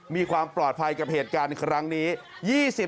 มีความปลอดภัยกับเหตุการณ์ครั้งนี้